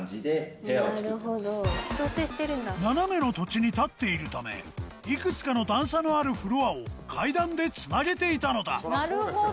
斜めの土地に建っているためいくつかの段差のあるフロアを階段でつなげていたのだそらそうですよね。